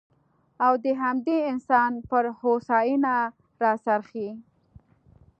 او د همدې انسان پر هوساینه راڅرخي.